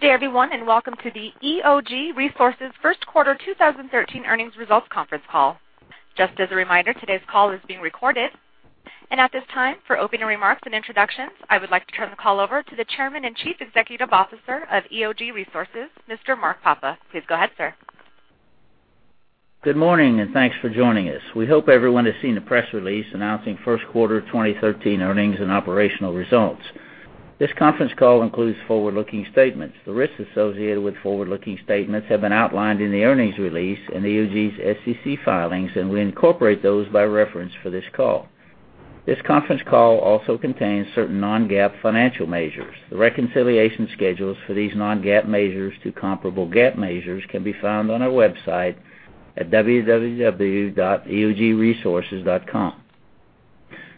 Good day, everyone, welcome to the EOG Resources first quarter 2013 earnings results conference call. Just as a reminder, today's call is being recorded. At this time, for opening remarks and introductions, I would like to turn the call over to the Chairman and Chief Executive Officer of EOG Resources, Mr. Mark Papa. Please go ahead, sir. Good morning, thanks for joining us. We hope everyone has seen the press release announcing first quarter 2013 earnings and operational results. This conference call includes forward-looking statements. The risks associated with forward-looking statements have been outlined in the earnings release in EOG's SEC filings, we incorporate those by reference for this call. This conference call also contains certain non-GAAP financial measures. The reconciliation schedules for these non-GAAP measures to comparable GAAP measures can be found on our website at www.eogresources.com.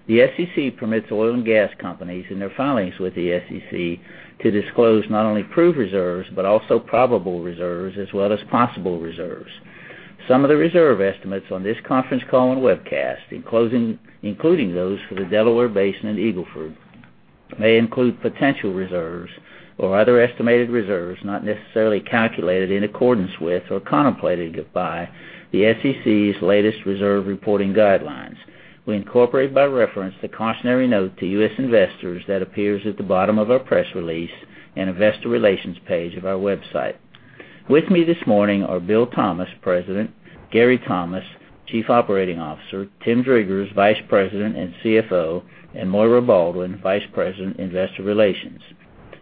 The SEC permits oil and gas companies in their filings with the SEC to disclose not only proved reserves, but also probable reserves as well as possible reserves. Some of the reserve estimates on this conference call and webcast, including those for the Delaware Basin and Eagle Ford, may include potential reserves or other estimated reserves not necessarily calculated in accordance with or contemplated by the SEC's latest reserve reporting guidelines. We incorporate by reference the cautionary note to U.S. investors that appears at the bottom of our press release in Investor Relations page of our website. With me this morning are Bill Thomas, President, Gary Thomas, Chief Operating Officer, Tim Driggers, Vice President and CFO, and Moira Baldwin, Vice President, Investor Relations.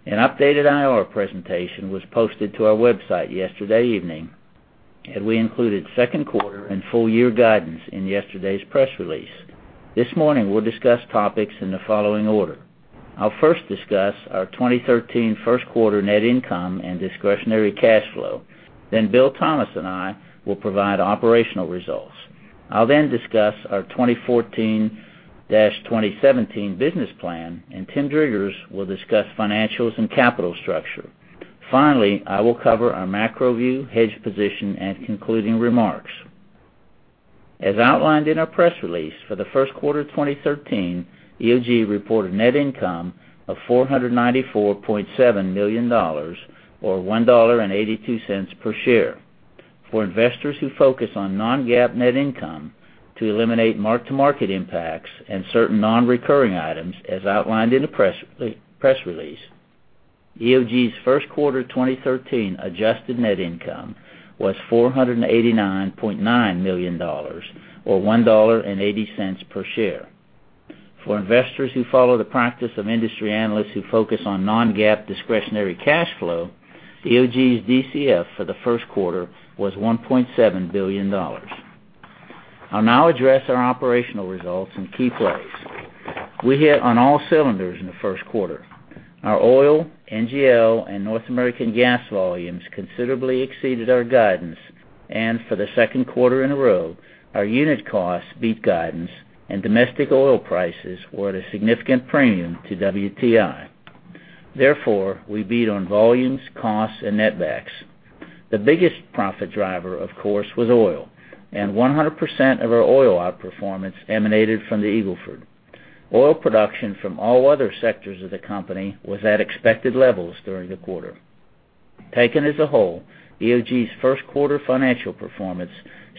An updated IR presentation was posted to our website yesterday evening, we included second quarter and full year guidance in yesterday's press release. This morning, we'll discuss topics in the following order. I'll first discuss our 2013 first quarter net income and discretionary cash flow. Bill Thomas and I will provide operational results. I'll discuss our 2014-2017 business plan, Tim Driggers will discuss financials and capital structure. Finally, I will cover our macro view, hedge position, and concluding remarks. As outlined in our press release, for the first quarter 2013, EOG reported net income of $494.7 million, or $1.82 per share. For investors who focus on non-GAAP net income to eliminate mark-to-market impacts and certain non-recurring items, as outlined in the press release, EOG's first quarter 2013 adjusted net income was $489.9 million, or $1.80 per share. For investors who follow the practice of industry analysts who focus on non-GAAP discretionary cash flow, EOG's DCF for the first quarter was $1.7 billion. I'll now address our operational results in key plays. We hit on all cylinders in the first quarter. Our oil, NGL, and North American gas volumes considerably exceeded our guidance, and for the second quarter in a row, our unit costs beat guidance and domestic oil prices were at a significant premium to WTI. Therefore, we beat on volumes, costs, and net backs. The biggest profit driver, of course, was oil, and 100% of our oil outperformance emanated from the Eagle Ford. Oil production from all other sectors of the company was at expected levels during the quarter. Taken as a whole, EOG's first quarter financial performance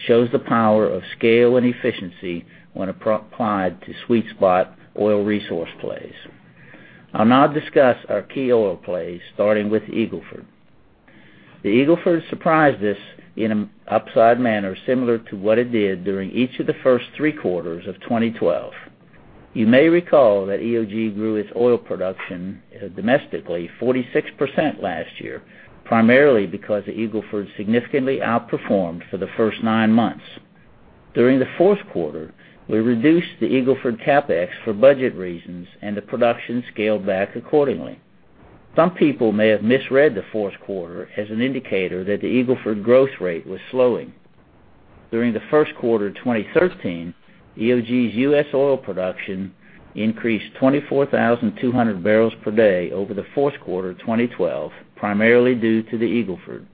shows the power of scale and efficiency when applied to sweet spot oil resource plays. I'll now discuss our key oil plays, starting with Eagle Ford. The Eagle Ford surprised us in an upside manner similar to what it did during each of the first three quarters of 2012. You may recall that EOG grew its oil production domestically 46% last year, primarily because the Eagle Ford significantly outperformed for the first nine months. During the fourth quarter, we reduced the Eagle Ford CapEx for budget reasons, and the production scaled back accordingly. Some people may have misread the fourth quarter as an indicator that the Eagle Ford growth rate was slowing. During the first quarter 2013, EOG's U.S. oil production increased 24,200 barrels per day over the fourth quarter 2012, primarily due to the Eagle Ford.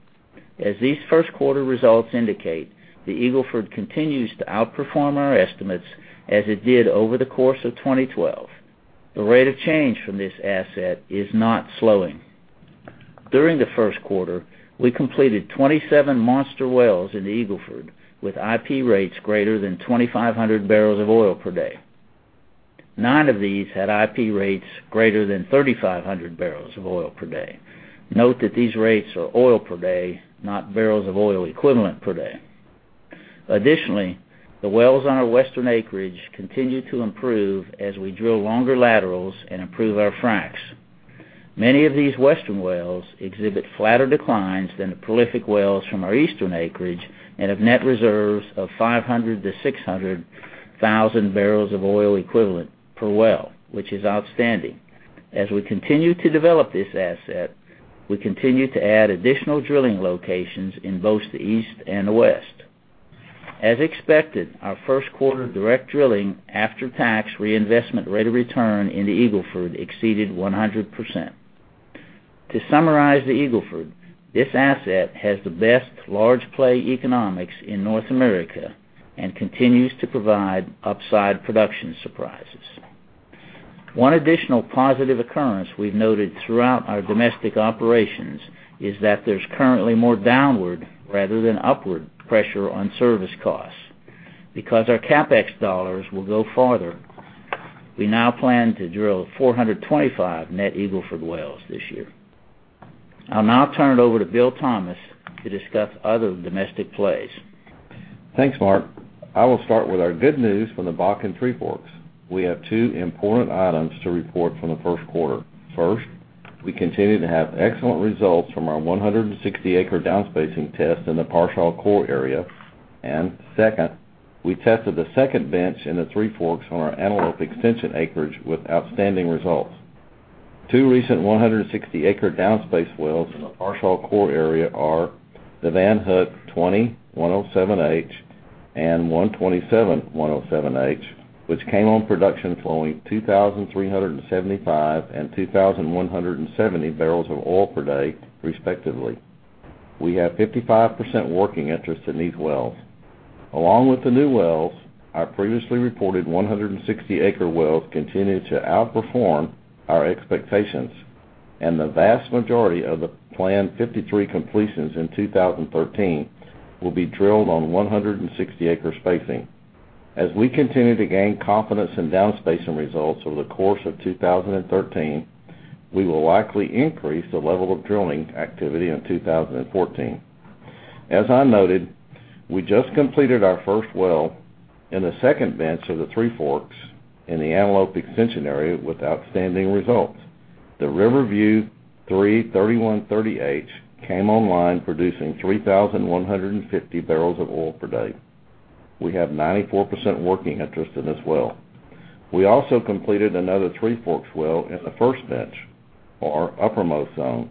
As these first quarter results indicate, the Eagle Ford continues to outperform our estimates as it did over the course of 2012. The rate of change from this asset is not slowing. During the first quarter, we completed 27 monster wells in the Eagle Ford with IP rates greater than 2,500 barrels of oil per day. Nine of these had IP rates greater than 3,500 barrels of oil per day. Note that these rates are oil per day, not barrels of oil equivalent per day. Additionally, the wells on our western acreage continue to improve as we drill longer laterals and improve our fracs. Many of these western wells exhibit flatter declines than the prolific wells from our eastern acreage and have net reserves of 500,000 to 600,000 barrels of oil equivalent per well, which is outstanding. As we continue to develop this asset, we continue to add additional drilling locations in both the east and the west. As expected, our first quarter direct drilling after-tax reinvestment rate of return in the Eagle Ford exceeded 100%. To summarize the Eagle Ford, this asset has the best large play economics in North America and continues to provide upside production surprises. One additional positive occurrence we've noted throughout our domestic operations is that there's currently more downward rather than upward pressure on service costs. Because our CapEx dollars will go farther, we now plan to drill 425 net Eagle Ford wells this year. I'll now turn it over to Bill Thomas to discuss other domestic plays. Thanks, Mark. I will start with our good news from the Bakken Three Forks. We have two important items to report from the first quarter. First, we continue to have excellent results from our 160-acre downspacing test in the Parshall Core area. Second, we tested the second bench in the Three Forks on our Antelope extension acreage with outstanding results. Two recent 160-acre downspace wells in the Parshall Core area are the Van Hook 20-107H and 127-107H, which came on production flowing 2,375 and 2,170 barrels of oil per day, respectively. We have 55% working interest in these wells. Along with the new wells, our previously reported 160-acre wells continue to outperform our expectations. The vast majority of the planned 53 completions in 2013 will be drilled on 160-acre spacing. As we continue to gain confidence in downspacing results over the course of 2013, we will likely increase the level of drilling activity in 2014. As I noted, we just completed our first well in the second bench of the Three Forks in the Antelope extension area with outstanding results. The Riverview 3-3130H came online producing 3,150 barrels of oil per day. We have 94% working interest in this well. We also completed another Three Forks well in the first bench or our uppermost zone.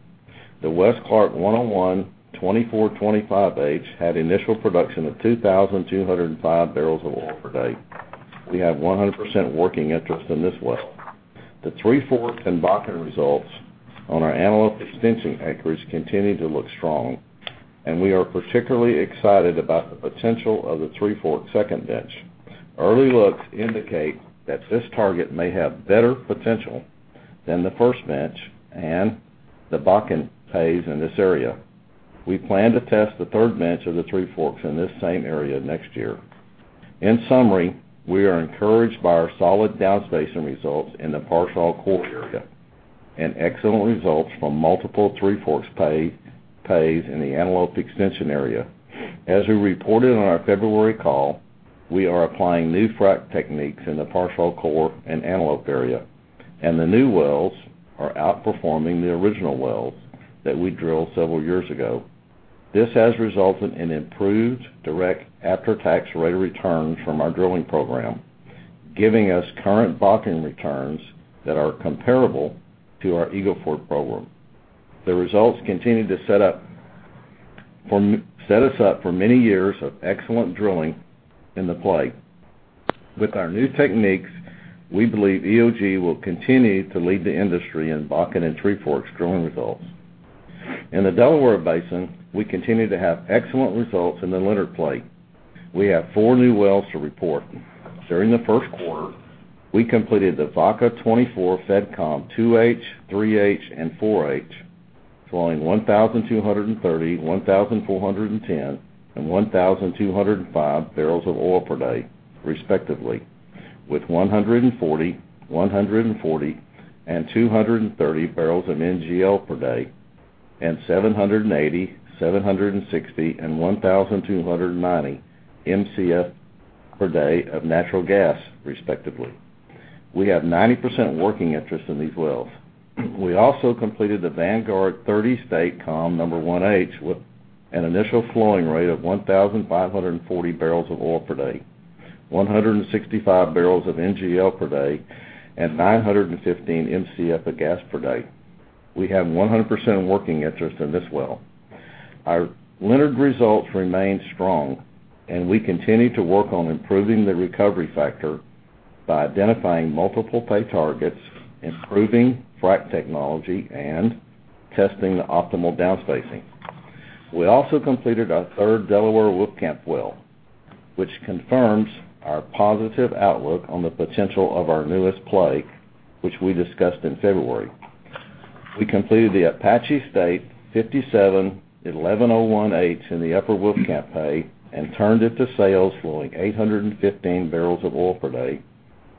The West Clark 101-2425H had initial production of 2,205 barrels of oil per day. We have 100% working interest in this well. The Three Forks and Bakken results on our Antelope extension acreage continue to look strong. We are particularly excited about the potential of the Three Forks second bench. Early looks indicate that this target may have better potential than the first bench and the Bakken pays in this area. We plan to test the third bench of the Three Forks in this same area next year. In summary, we are encouraged by our solid downspacing results in the Parshall Core area and excellent results from multiple Three Forks pays in the Antelope extension area. As we reported on our February call, we are applying new frack techniques in the Parshall Core and Antelope area. The new wells are outperforming the original wells that we drilled several years ago. This has resulted in improved direct after-tax rate of returns from our drilling program, giving us current Bakken returns that are comparable to our Eagle Ford program. The results continue to set us up for many years of excellent drilling in the play. With our new techniques, we believe EOG will continue to lead the industry in Bakken and Three Forks drilling results. In the Delaware Basin, we continue to have excellent results in the Leonard play. We have four new wells to report. During the first quarter, we completed the Vaca 24 Fed Comm 2H, 3H, and 4H, flowing 1,230, 1,410, and 1,205 barrels of oil per day, respectively, with 140 and 230 barrels of NGL per day and 780, 760 and 1,290 MCF per day of natural gas, respectively. We have 90% working interest in these wells. We also completed the Vanguard 30 State Comm 1H with an initial flowing rate of 1,540 barrels of oil per day, 165 barrels of NGL per day, and 915 MCF of gas per day. We have 100% working interest in this well. Our Leonard results remain strong, and we continue to work on improving the recovery factor by identifying multiple pay targets, improving frack technology, and testing the optimal downspacing. We also completed our third Delaware Wolfcamp well, which confirms our positive outlook on the potential of our newest play, which we discussed in February. We completed the Apache State 571101H in the Upper Wolfcamp pay and turned it to sales flowing 815 barrels of oil per day,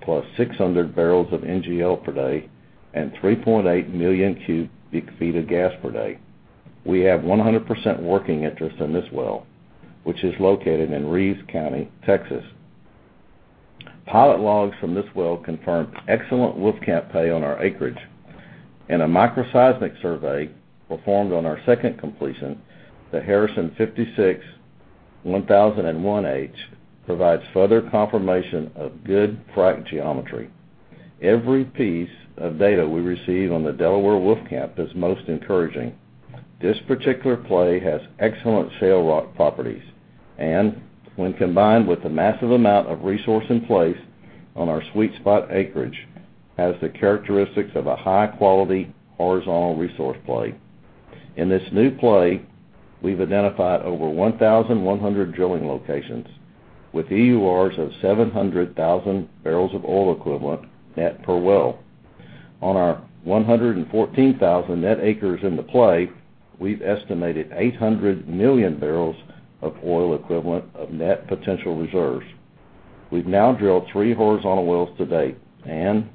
plus 600 barrels of NGL per day and 3.8 million cubic feet of gas per day. We have 100% working interest in this well, which is located in Reeves County, Texas. Pilot logs from this well confirm excellent Wolfcamp pay on our acreage, and a microseismic survey performed on our second completion, the Harrison 56-1001H, provides further confirmation of good frack geometry. Every piece of data we receive on the Delaware Wolfcamp is most encouraging. This particular play has excellent shale rock properties and when combined with the massive amount of resource in place on our sweet spot acreage, has the characteristics of a high-quality horizontal resource play. In this new play, we've identified over 1,100 drilling locations with EURs of 700,000 barrels of oil equivalent net per well. On our 114,000 net acres in the play, we've estimated 800 million barrels of oil equivalent of net potential reserves. We've now drilled three horizontal wells to date and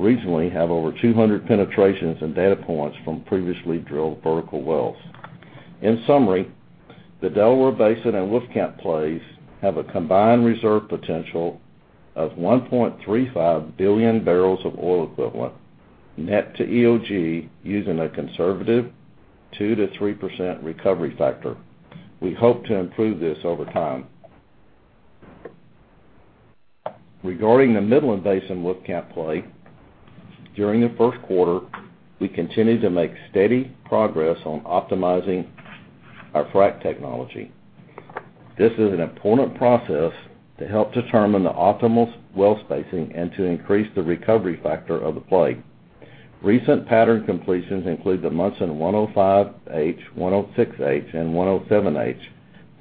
regionally have over 200 penetrations and data points from previously drilled vertical wells. In summary, the Delaware Basin and Wolfcamp plays have a combined reserve potential of 1.35 billion barrels of oil equivalent net to EOG, using a conservative 2%-3% recovery factor. We hope to improve this over time. Regarding the Midland Basin Wolfcamp play, during the first quarter, we continued to make steady progress on optimizing our frack technology. This is an important process to help determine the optimal well spacing and to increase the recovery factor of the play. Recent pattern completions include the Munson 105H, 106H, and 107H,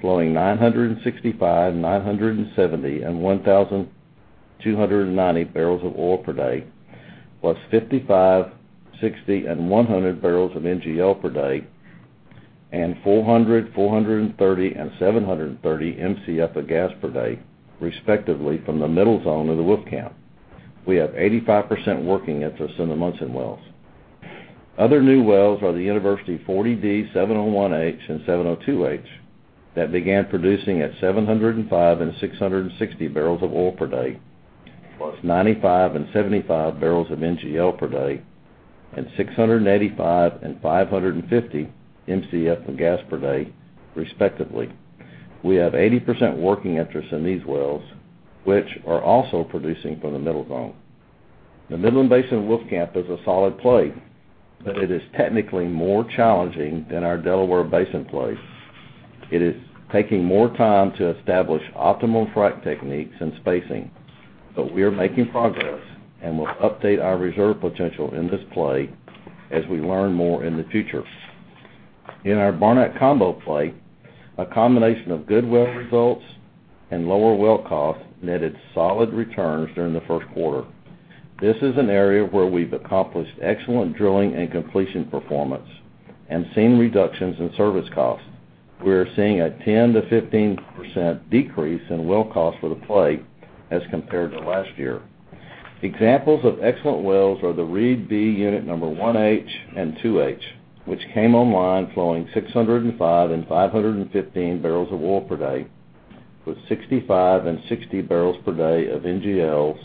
flowing 965, 970, and 1,290 barrels of oil per day, plus 55, 60, and 100 barrels of NGL per day, and 400, 430, and 730 MCF of gas per day, respectively, from the middle zone of the Wolfcamp. We have 85% working interest in the Munson wells. Other new wells are the University 40D, 701H, and 702H that began producing at 705 and 660 barrels of oil per day, plus 95 and 75 barrels of NGL per day, and 685 and 550 MCF of gas per day, respectively. We have 80% working interest in these wells, which are also producing from the middle zone. The Midland Basin Wolfcamp is a solid play. It is technically more challenging than our Delaware Basin play. It is taking more time to establish optimal frack techniques and spacing. We are making progress and will update our reserve potential in this play as we learn more in the future. In our Barnett Combo play, a combination of good well results and lower well costs netted solid returns during the first quarter. This is an area where we've accomplished excellent drilling and completion performance and seen reductions in service costs. We are seeing a 10%-15% decrease in well cost for the play as compared to last year. Examples of excellent wells are the Reed B unit number 1H and 2H, which came online flowing 605 and 515 barrels of oil per day, with 65 and 60 barrels per day of NGLs,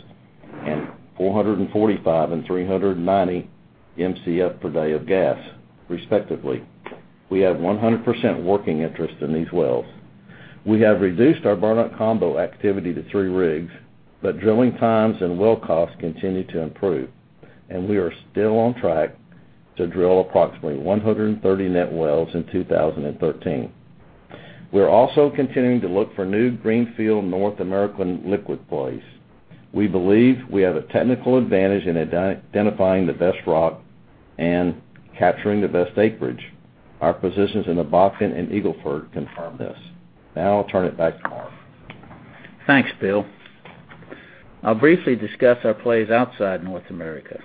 and 445 and 390 MCF per day of gas, respectively. We have 100% working interest in these wells. We have reduced our Barnett Combo activity to three rigs, but drilling times and well costs continue to improve, and we are still on track to drill approximately 130 net wells in 2013. We are also continuing to look for new greenfield North American liquid plays. We believe we have a technical advantage in identifying the best rock and capturing the best acreage. Our positions in the Bakken and Eagle Ford confirm this. Now I'll turn it back to Mark. Thanks, Bill. I'll briefly discuss our plays outside North America.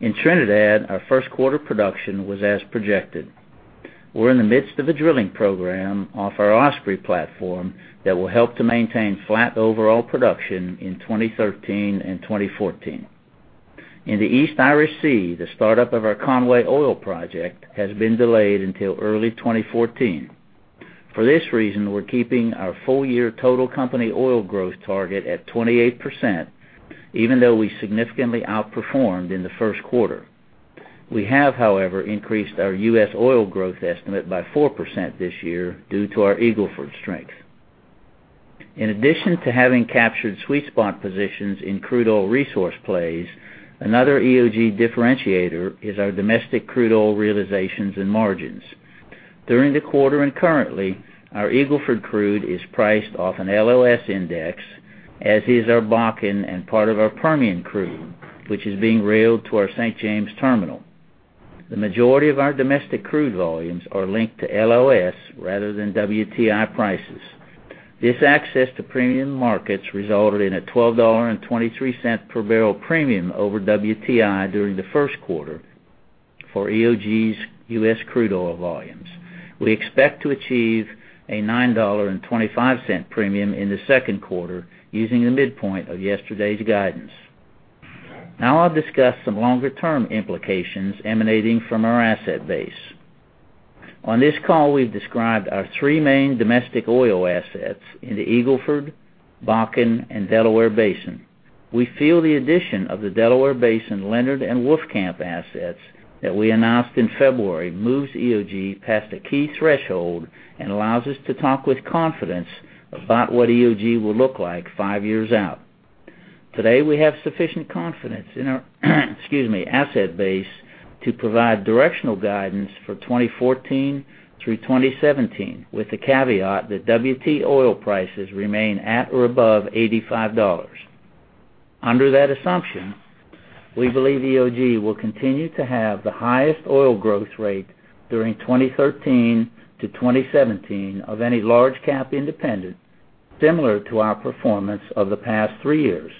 In Trinidad, our first quarter production was as projected. We're in the midst of a drilling program off our Osprey platform that will help to maintain flat overall production in 2013 and 2014. In the East Irish Sea, the startup of our Conwy Oil project has been delayed until early 2014. For this reason, we're keeping our full-year total company oil growth target at 28%, even though we significantly outperformed in the first quarter. We have, however, increased our U.S. oil growth estimate by 4% this year due to our Eagle Ford strength. In addition to having captured sweet spot positions in crude oil resource plays, another EOG differentiator is our domestic crude oil realizations and margins. During the quarter and currently, our Eagle Ford crude is priced off an LLS index, as is our Bakken and part of our Permian crude, which is being railed to our St. James terminal. The majority of our domestic crude volumes are linked to LLS rather than WTI prices. This access to premium markets resulted in a $12.23 per barrel premium over WTI during the first quarter for EOG's U.S. crude oil volumes. We expect to achieve a $9.25 premium in the second quarter using the midpoint of yesterday's guidance. Now I'll discuss some longer-term implications emanating from our asset base. On this call, we've described our three main domestic oil assets in the Eagle Ford, Bakken, and Delaware Basin. We feel the addition of the Delaware Basin, Leonard, and Wolfcamp assets that we announced in February moves EOG past a key threshold and allows us to talk with confidence about what EOG will look like five years out. Today, we have sufficient confidence in our asset base to provide directional guidance for 2014 through 2017, with the caveat that WTI oil prices remain at or above $85. Under that assumption, we believe EOG will continue to have the highest oil growth rate during 2013 to 2017 of any large cap independent, similar to our performance of the past three years.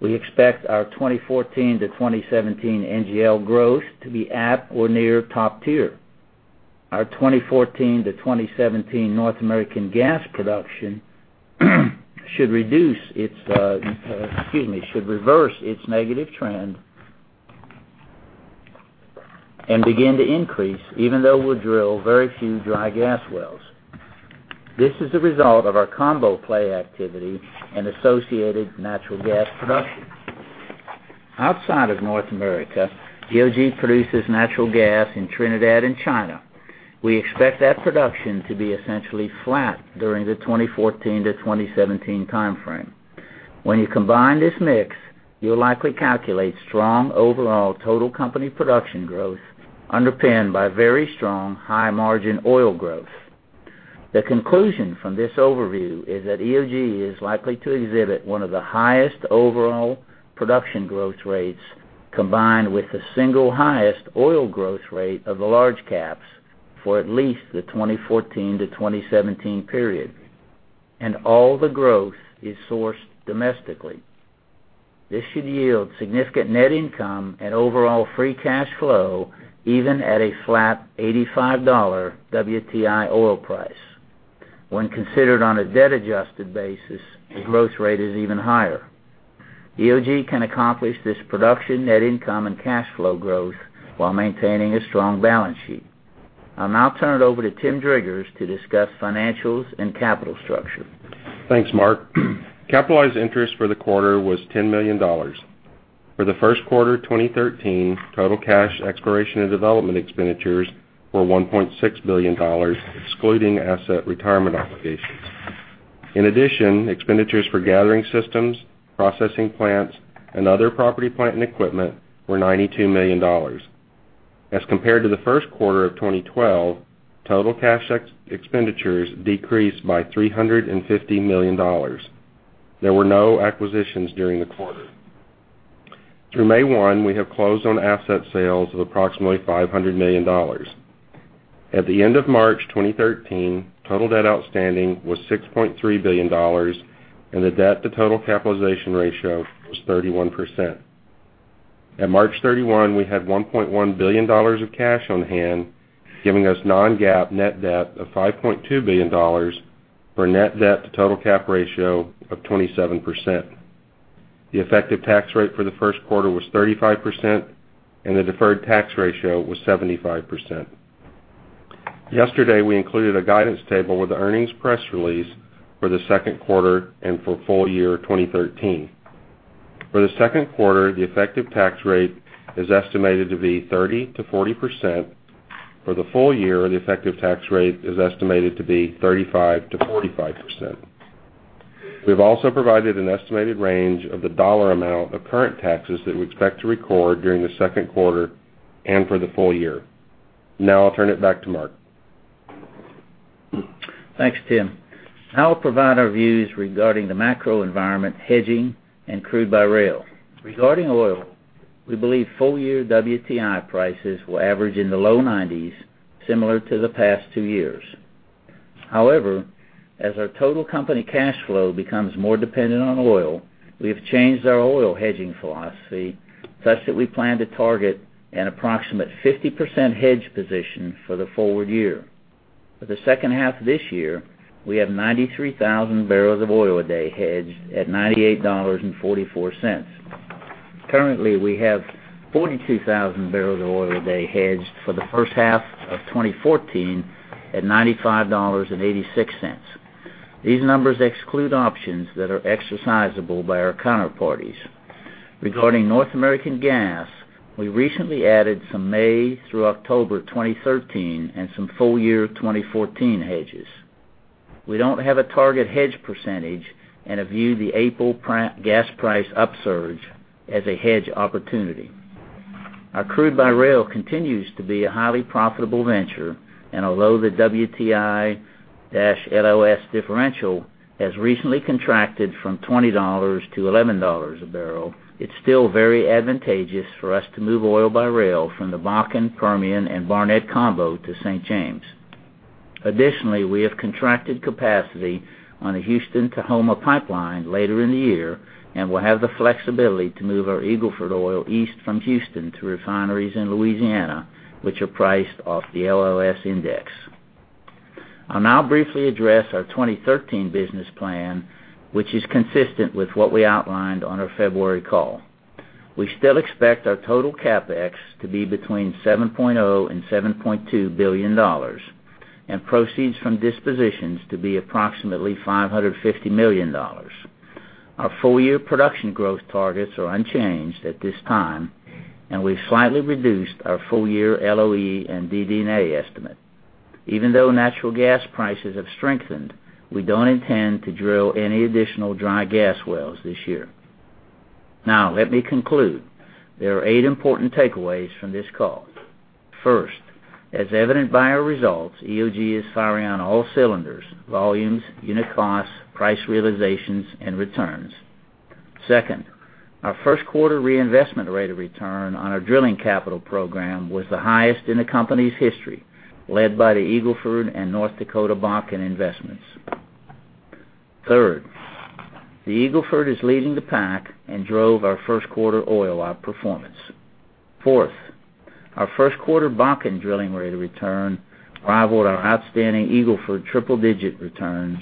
We expect our 2014 to 2017 NGL growth to be at or near top tier. Our 2014 to 2017 North American gas production should reverse its negative trend and begin to increase, even though we'll drill very few dry gas wells. This is a result of our combo play activity and associated natural gas production. Outside of North America, EOG produces natural gas in Trinidad and China. We expect that production to be essentially flat during the 2014 to 2017 timeframe. When you combine this mix, you'll likely calculate strong overall total company production growth underpinned by very strong high margin oil growth. The conclusion from this overview is that EOG is likely to exhibit one of the highest overall production growth rates, combined with the single highest oil growth rate of the large caps for at least the 2014 to 2017 period. All the growth is sourced domestically. This should yield significant net income and overall free cash flow even at a flat $85 WTI oil price. When considered on a debt adjusted basis, the growth rate is even higher. EOG can accomplish this production net income and cash flow growth while maintaining a strong balance sheet. I'll now turn it over to Tim Driggers to discuss financials and capital structure. Thanks, Mark. Capitalized interest for the quarter was $10 million. For the first quarter 2013, total cash exploration and development expenditures were $1.6 billion, excluding asset retirement obligations. In addition, expenditures for gathering systems, processing plants, and other property, plant, and equipment were $92 million. As compared to the first quarter of 2012, total cash expenditures decreased by $350 million. There were no acquisitions during the quarter. Through May 1, we have closed on asset sales of approximately $500 million. At the end of March 2013, total debt outstanding was $6.3 billion, and the debt to total capitalization ratio was 31%. At March 31, we had $1.1 billion of cash on hand, giving us non-GAAP net debt of $5.2 billion, for a net debt to total cap ratio of 27%. The effective tax rate for the first quarter was 35%, and the deferred tax ratio was 75%. Yesterday, we included a guidance table with the earnings press release for the second quarter and for full year 2013. For the second quarter, the effective tax rate is estimated to be 30%-40%. For the full year, the effective tax rate is estimated to be 35%-45%. We've also provided an estimated range of the dollar amount of current taxes that we expect to record during the second quarter and for the full year. I'll turn it back to Mark. Thanks, Tim. I will provide our views regarding the macro environment, hedging, and crude by rail. Regarding oil, we believe full year WTI prices will average in the low 90s, similar to the past two years. However, as our total company cash flow becomes more dependent on oil, we have changed our oil hedging philosophy, such that we plan to target an approximate 50% hedge position for the forward year. For the second half of this year, we have 93,000 barrels of oil a day hedged at $98.44. Currently, we have 42,000 barrels of oil a day hedged for the first half of 2014 at $95.86. These numbers exclude options that are exercisable by our counterparties. Regarding North American gas, we recently added some May through October 2013 and some full year 2014 hedges. We don't have a target hedge percentage. We have viewed the April gas price upsurge as a hedge opportunity. Although the WTI-LLS differential has recently contracted from $20-$11 a barrel, it's still very advantageous for us to move oil by rail from the Bakken, Permian, and Barnett Combo to St. James. We have contracted capacity on a Houston to Houma pipeline later in the year and will have the flexibility to move our Eagle Ford oil east from Houston to refineries in Louisiana, which are priced off the LLS index. I'll now briefly address our 2013 business plan, which is consistent with what we outlined on our February call. We still expect our total CapEx to be between $7.0 billion and $7.2 billion, and proceeds from dispositions to be approximately $550 million. Our full year production growth targets are unchanged at this time. We've slightly reduced our full year LOE and DD&A estimate. Even though natural gas prices have strengthened, we don't intend to drill any additional dry gas wells this year. Now, let me conclude. There are eight important takeaways from this call. First, as evident by our results, EOG is firing on all cylinders: volumes, unit costs, price realizations, and returns. Second, our first quarter reinvestment rate of return on our drilling capital program was the highest in the company's history, led by the Eagle Ford and North Dakota Bakken investments. Third, the Eagle Ford is leading the pack and drove our first quarter oil outperformance. Fourth, our first quarter Bakken drilling rate of return rivaled our outstanding Eagle Ford triple-digit returns.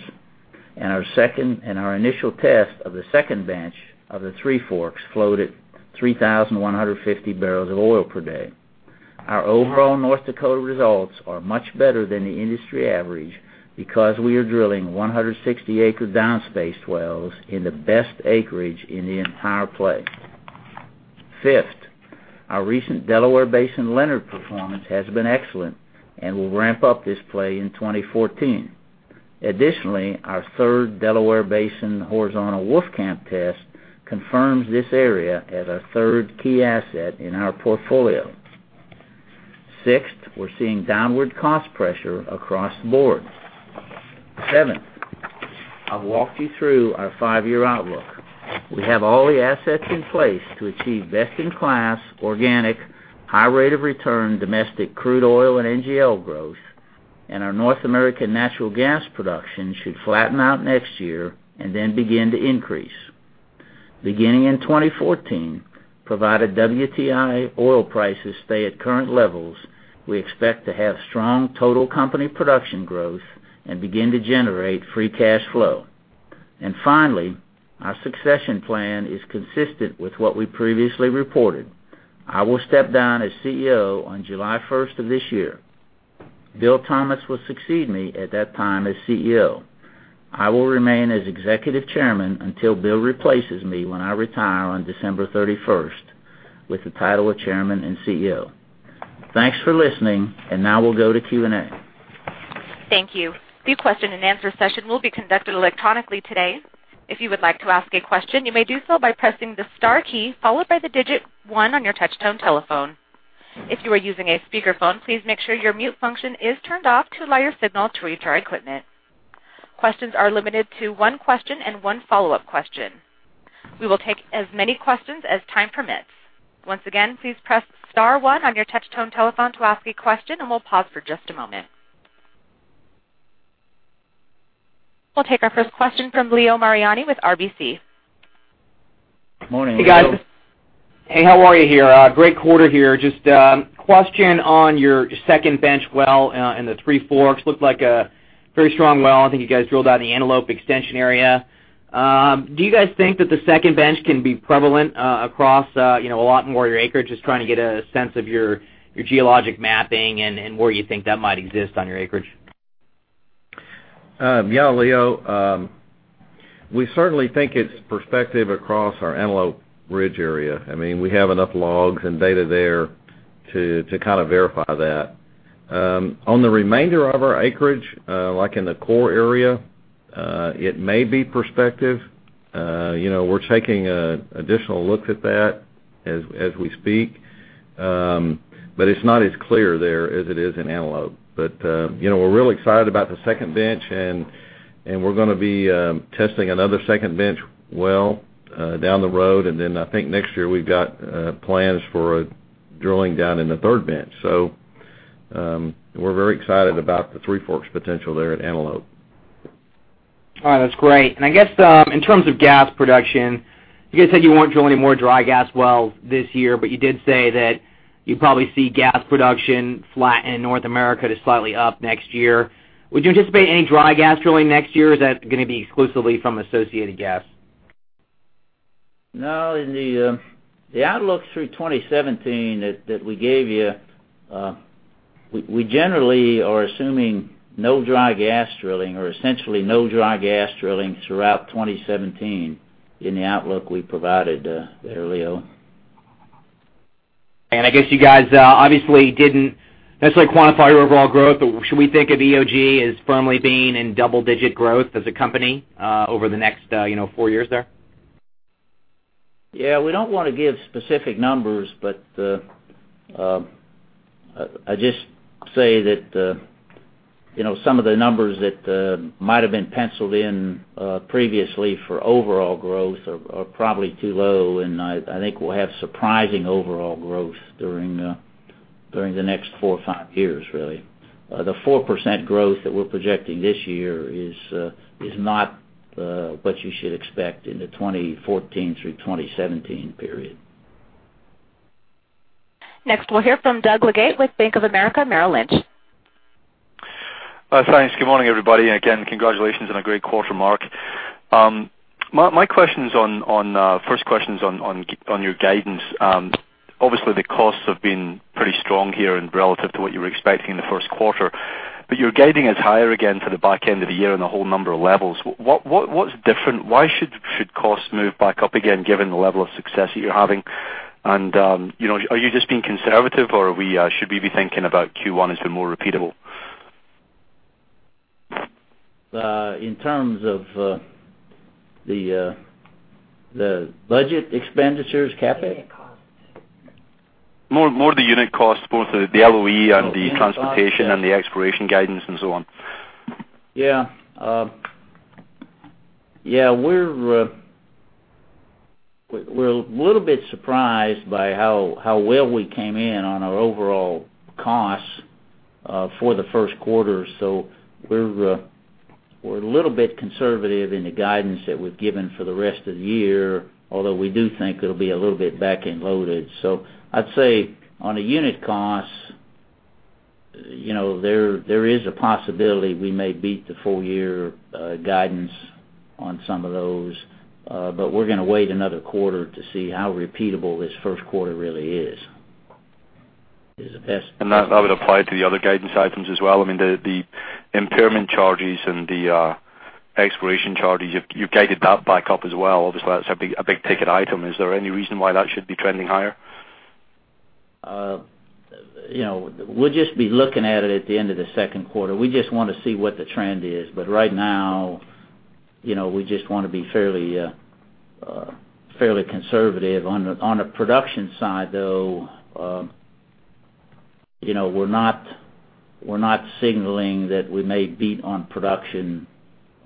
Our initial test of the second bench of the Three Forks flowed at 3,150 barrels of oil per day. Our overall North Dakota results are much better than the industry average because we are drilling 160-acre down space wells in the best acreage in the entire play. Fifth, our recent Delaware Basin Leonard performance has been excellent and will ramp up this play in 2014. Our third Delaware Basin horizontal Wolfcamp test confirms this area as a third key asset in our portfolio. Sixth, we're seeing downward cost pressure across the board. Seventh, I've walked you through our five-year outlook. We have all the assets in place to achieve best-in-class, organic, high rate of return, domestic crude oil and NGL growth. Our North American natural gas production should flatten out next year and then begin to increase. Beginning in 2014, provided WTI oil prices stay at current levels, we expect to have strong total company production growth and begin to generate free cash flow. Finally, our succession plan is consistent with what we previously reported. I will step down as CEO on July 1st of this year. Bill Thomas will succeed me at that time as CEO. I will remain as Executive Chairman until Bill replaces me when I retire on December 31st with the title of Chairman and CEO. Thanks for listening. Now we'll go to Q&A. Thank you. The question and answer session will be conducted electronically today. If you would like to ask a question, you may do so by pressing the star key followed by the digit 1 on your touchtone telephone. If you are using a speakerphone, please make sure your mute function is turned off to allow your signal to reach our equipment. Questions are limited to 1 question and 1 follow-up question. We will take as many questions as time permits. Once again, please press star 1 on your touchtone telephone to ask a question. We'll pause for just a moment. We'll take our first question from Leo Mariani with RBC. Morning, Leo. Hey, guys. Hey, how are you here? Great quarter here. Just a question on your second bench well in the Three Forks. Looked like a very strong well. I think you guys drilled out in the Antelope extension area. Do you guys think that the second bench can be prevalent across a lot more of your acreage? Just trying to get a sense of your geologic mapping and where you think that might exist on your acreage. Yeah, Leo, we certainly think it's prospective across our Antelope Ridge area. We have enough logs and data there to verify that. On the remainder of our acreage, like in the core area, it may be prospective. We're taking additional looks at that as we speak. It's not as clear there as it is in Antelope. We're real excited about the second bench, and we're going to be testing another second bench well down the road, and then I think next year we've got plans for drilling down in the third bench. We're very excited about the Three Forks potential there at Antelope. All right. That's great. I guess in terms of gas production, you guys said you won't drill any more dry gas wells this year, but you did say that you probably see gas production flat in North America to slightly up next year. Would you anticipate any dry gas drilling next year, or is that going to be exclusively from associated gas? No, in the outlook through 2017 that we gave you, we generally are assuming no dry gas drilling or essentially no dry gas drilling throughout 2017 in the outlook we provided there, Leo. I guess you guys obviously didn't necessarily quantify your overall growth, but should we think of EOG as firmly being in double-digit growth as a company over the next four years there? Yeah, we don't want to give specific numbers, but I just say that some of the numbers that might have been penciled in previously for overall growth are probably too low, and I think we'll have surprising overall growth during the next four or five years, really. The 4% growth that we're projecting this year is not what you should expect in the 2014 through 2017 period. Next, we'll hear from Doug Leggate with Bank of America Merrill Lynch. Thanks. Good morning, everybody, and again, congratulations on a great quarter, Mark. My first question's on your guidance. Obviously, the costs have been pretty strong here and relative to what you were expecting in the first quarter. Your guiding is higher again for the back end of the year on a whole number of levels. What's different? Why should costs move back up again given the level of success that you're having? Are you just being conservative, or should we be thinking about Q1 as the more repeatable? In terms of the budget expenditures, CapEx? Unit costs. More the unit costs, both the LOE and the transportation and the exploration guidance and so on. Yeah. We're a little bit surprised by how well we came in on our overall costs for the first quarter. We're a little bit conservative in the guidance that we've given for the rest of the year, although we do think it'll be a little bit back-end loaded. I'd say on a unit cost, there is a possibility we may beat the full-year guidance on some of those. We're going to wait another quarter to see how repeatable this first quarter really is. That would apply to the other guidance items as well? I mean, the impairment charges and the exploration charges, you've guided that back up as well. Obviously, that's a big-ticket item. Is there any reason why that should be trending higher? We'll just be looking at it at the end of the second quarter. We just want to see what the trend is. Right now, we just want to be fairly conservative. On the production side, though, we're not signaling that we may beat on production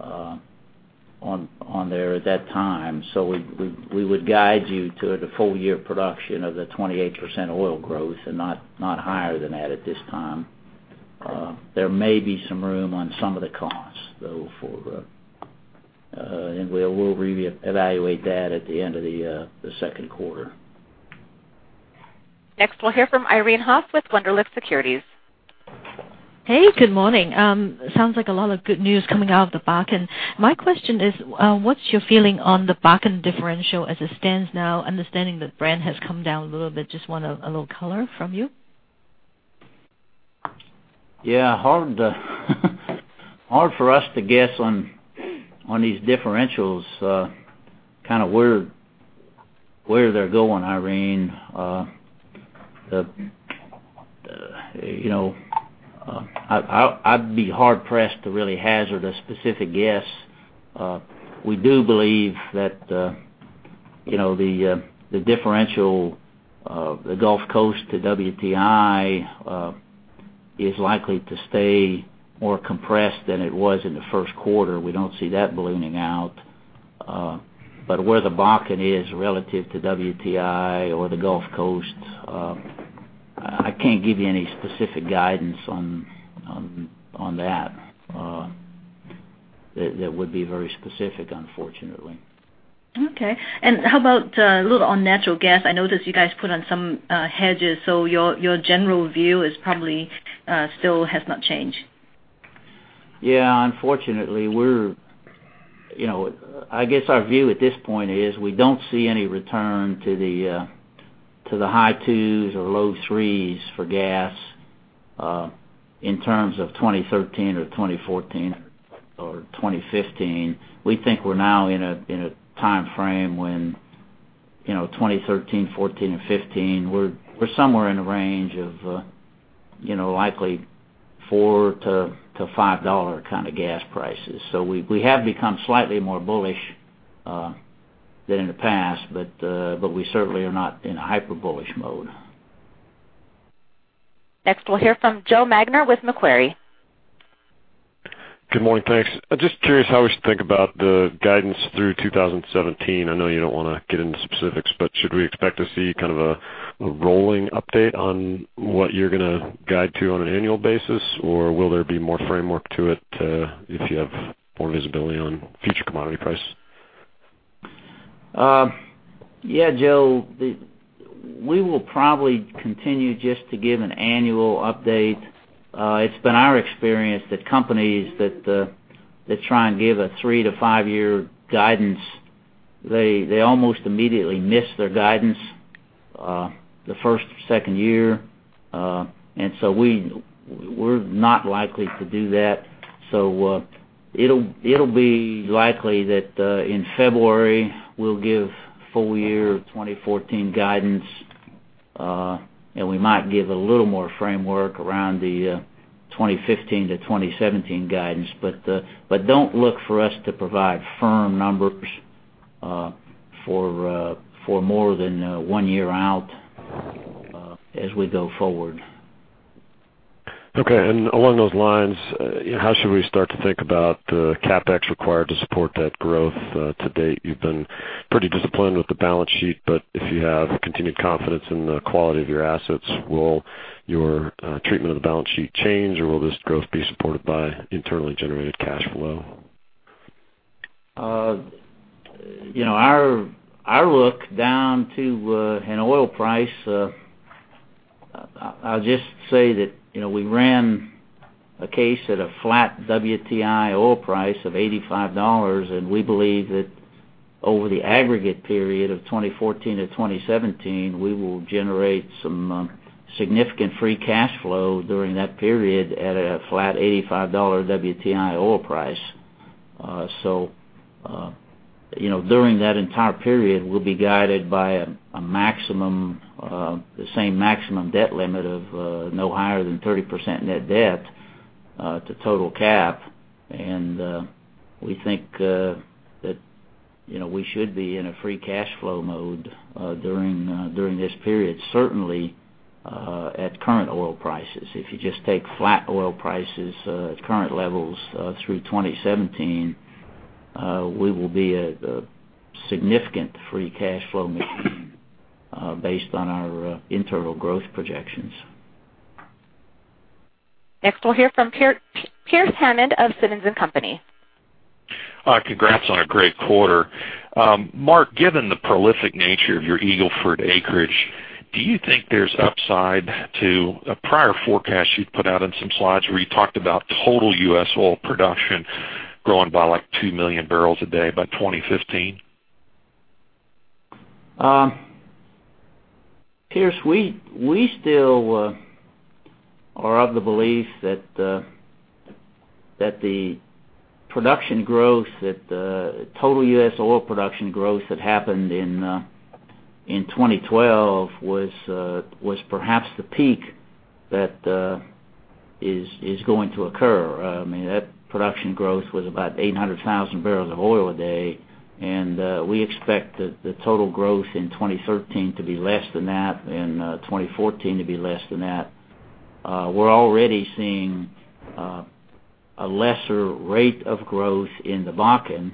on there at that time. We would guide you to the full-year production of the 28% oil growth and not higher than that at this time. There may be some room on some of the costs, though, and we'll reevaluate that at the end of the second quarter. Next, we'll hear from Irene Haas with Wunderlich Securities. Hey, good morning. Sounds like a lot of good news coming out of the Bakken. My question is: What's your feeling on the Bakken differential as it stands now, understanding that Brent has come down a little bit? Just want a little color from you. Yeah. Hard for us to guess on these differentials, where they're going, Irene. I'd be hard pressed to really hazard a specific guess. We do believe that the differential of the Gulf Coast to WTI is likely to stay more compressed than it was in the first quarter. We don't see that ballooning out. Where the Bakken is relative to WTI or the Gulf Coast, I can't give you any specific guidance on that. That would be very specific, unfortunately. Okay. How about a little on natural gas? I noticed you guys put on some hedges, your general view probably still has not changed. Yeah. Unfortunately, I guess our view at this point is we don't see any return to the high twos or low threes for gas in terms of 2013 or 2014 or 2015. We think we're now in a time frame when 2013, 2014, and 2015, we're somewhere in the range of likely $4 to $5 gas prices. We have become slightly more bullish than in the past, but we certainly are not in a hyper bullish mode. Next, we'll hear from Joseph Magner with Macquarie. Good morning. Thanks. Just curious how we should think about the guidance through 2017. I know you don't want to get into specifics, but should we expect to see a rolling update on what you're going to guide to on an annual basis? Will there be more framework to it if you have more visibility on future commodity price? Yeah, Joe. We will probably continue just to give an annual update. It's been our experience that companies that try and give a three-to-five-year guidance, they almost immediately miss their guidance the first or second year. We're not likely to do that. It'll be likely that in February, we'll give full year 2014 guidance, and we might give a little more framework around the 2015 to 2017 guidance. Don't look for us to provide firm numbers for more than one year out as we go forward. Along those lines, how should we start to think about the CapEx required to support that growth? To date, you've been pretty disciplined with the balance sheet, if you have continued confidence in the quality of your assets, will your treatment of the balance sheet change, or will this growth be supported by internally generated cash flow? Our look down to an oil price, I'll just say that we ran a case at a flat WTI oil price of $85. We believe that over the aggregate period of 2014 to 2017, we will generate some significant free cash flow during that period at a flat $85 WTI oil price. During that entire period, we'll be guided by the same maximum debt limit of no higher than 30% net debt to total cap. We think that we should be in a free cash flow mode during this period, certainly at current oil prices. If you just take flat oil prices at current levels through 2017, we will be at a significant free cash flow machine based on our internal growth projections. Next, we'll hear from Pearce Hammond of Simmons & Company. Congrats on a great quarter. Mark, given the prolific nature of your Eagle Ford acreage, do you think there's upside to a prior forecast you'd put out on some slides where you talked about total U.S. oil production growing by 2 million barrels a day by 2015? Pearce, we still are of the belief that the total U.S. oil production growth that happened in 2012 was perhaps the peak that is going to occur. That production growth was about 800,000 barrels of oil a day, and we expect the total growth in 2013 to be less than that, and 2014 to be less than that. We're already seeing a lesser rate of growth in the Bakken.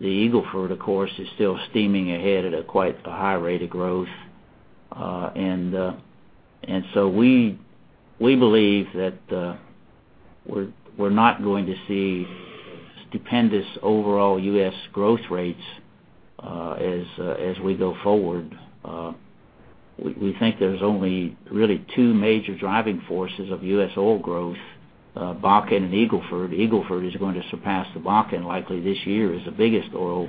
The Eagle Ford, of course, is still steaming ahead at quite a high rate of growth. We believe that we're not going to see stupendous overall U.S. growth rates as we go forward. We think there's only really two major driving forces of U.S. oil growth, Bakken and Eagle Ford. Eagle Ford is going to surpass the Bakken, likely this year, as the biggest oil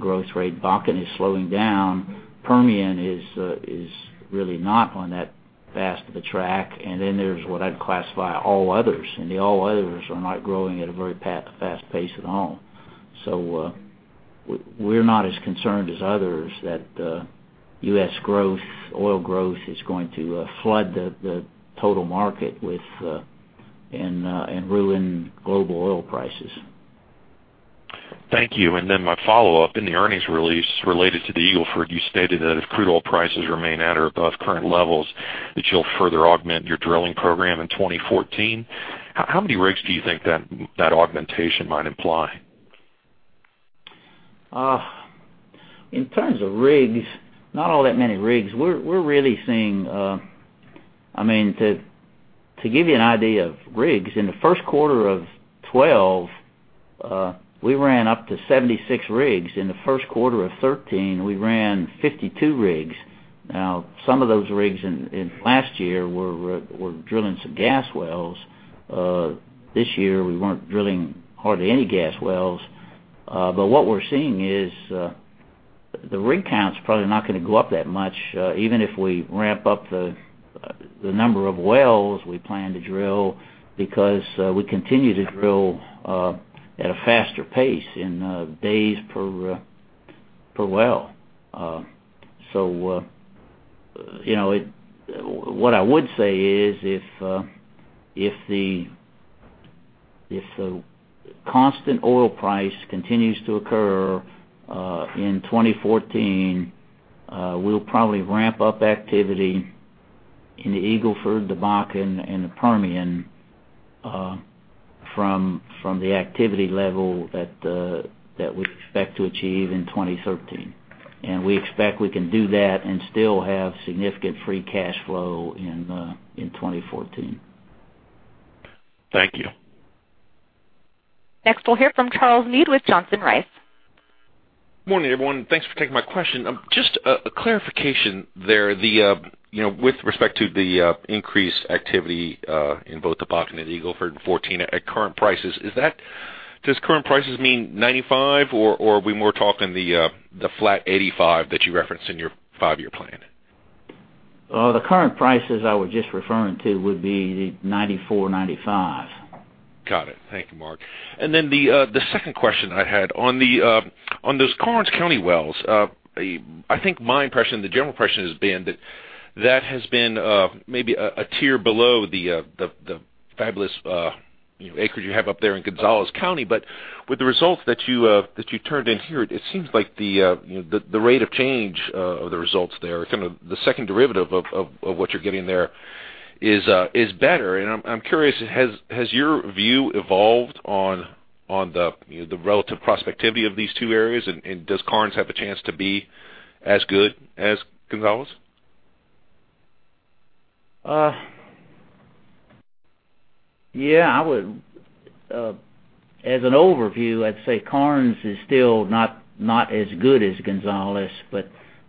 growth rate. Bakken is slowing down. Permian is really not on that fast of a track. There's what I'd classify all others, and the all others are not growing at a very fast pace at all. We're not as concerned as others that U.S. oil growth is going to flood the total market and ruin global oil prices. Thank you. My follow-up, in the earnings release related to the Eagle Ford, you stated that if crude oil prices remain at or above current levels, that you'll further augment your drilling program in 2014. How many rigs do you think that augmentation might imply? In terms of rigs, not all that many rigs. To give you an idea of rigs, in the first quarter of 2012, we ran up to 76 rigs. In the first quarter of 2013, we ran 52 rigs. Now, some of those rigs in last year were drilling some gas wells. This year, we weren't drilling hardly any gas wells. What we're seeing is the rig count's probably not going to go up that much, even if we ramp up the number of wells we plan to drill, because we continue to drill at a faster pace in days per well. What I would say is, if the constant oil price continues to occur in 2014, we'll probably ramp up activity in the Eagle Ford, the Bakken, and the Permian from the activity level that we expect to achieve in 2013. we expect we can do that and still have significant free cash flow in 2014. Thank you. Next, we'll hear from Charles Meade with Johnson Rice. Morning, everyone. Thanks for taking my question. Just a clarification there. With respect to the increased activity in both the Bakken and Eagle Ford in 2014 at current prices, does current prices mean 95, or are we more talking the flat 85 that you referenced in your five-year plan? The current prices I was just referring to would be the $94, $95. Got it. Thank you, Mark. Then the second question I had, on those Karnes County wells, I think my impression and the general impression has been that has been maybe a tier below the fabulous acreage you have up there in Gonzales County. With the results that you turned in here, it seems like the rate of change of the results there, the second derivative of what you're getting there is better. I'm curious, has your view evolved on the relative prospectivity of these two areas, and does Karnes have a chance to be as good as Gonzales? Yeah. As an overview, I'd say Karnes is still not as good as Gonzales.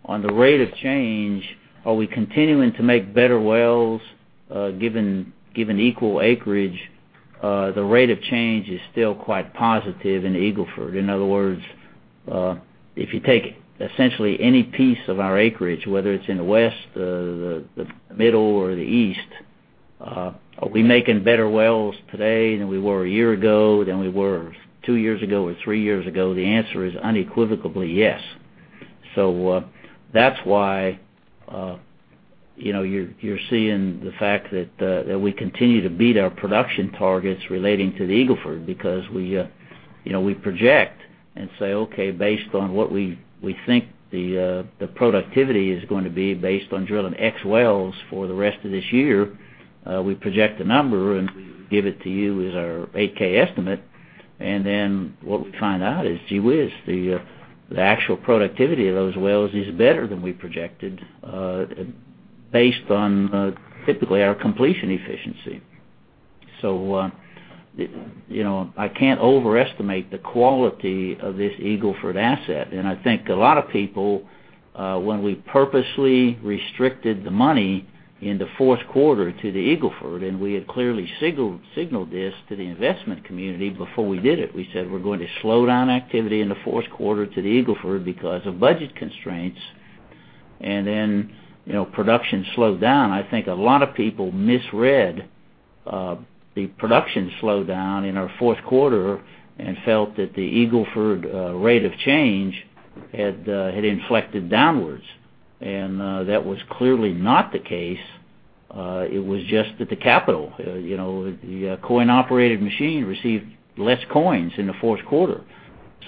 On the rate of change, are we continuing to make better wells given equal acreage? The rate of change is still quite positive in Eagle Ford. In other words, if you take essentially any piece of our acreage, whether it's in the west, the middle, or the east, are we making better wells today than we were a year ago, than we were two years ago, or three years ago? The answer is unequivocally yes. That's why you're seeing the fact that we continue to beat our production targets relating to the Eagle Ford, because we project and say, "Okay, based on what we think the productivity is going to be based on drilling X wells for the rest of this year," we project a number, and we give it to you as our 8-K estimate. Then what we find out is, gee whiz, the actual productivity of those wells is better than we projected based on typically our completion efficiency. I can't overestimate the quality of this Eagle Ford asset. I think a lot of people, when we purposely restricted the money in the fourth quarter to the Eagle Ford, and we had clearly signaled this to the investment community before we did it. We said we're going to slow down activity in the fourth quarter to the Eagle Ford because of budget constraints. Production slowed down. I think a lot of people misread the production slowdown in our fourth quarter and felt that the Eagle Ford rate of change had inflected downwards. That was clearly not the case. It was just that the capital, the coin-operated machine received less coins in the fourth quarter.